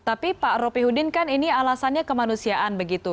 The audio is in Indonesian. tapi pak ropihudin kan ini alasannya kemanusiaan begitu